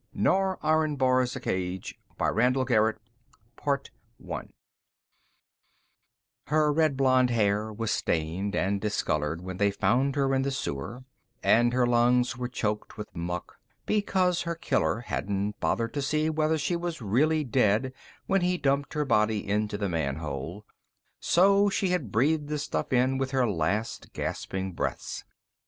JONATHAN BLAKE MACKENZIE ILLUSTRATED BY SCHOENHERR Her red blond hair was stained and discolored when they found her in the sewer, and her lungs were choked with muck because her killer hadn't bothered to see whether she was really dead when he dumped her body into the manhole, so she had breathed the stuff in with her last gasping breaths.